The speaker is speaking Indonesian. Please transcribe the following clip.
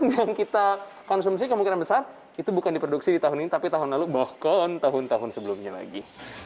yang kita konsumsi kemungkinan besar itu bukan diproduksi di tahun ini tapi tahun lalu bahkan tahun tahun sebelumnya lagi